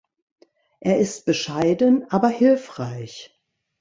Er ist bescheiden, aber hilfreich.